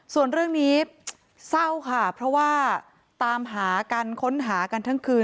ส่วนเรื่องนี้เศร้าค่ะเพราะว่าตามหากันค้นหากันทั้งคืน